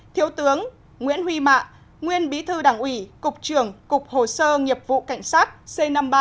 thiếu tướng nguyễn huy mạ nguyên bí thư đảng ủy cục trưởng cục hồ sơ nghiệp vụ cảnh sát c năm mươi ba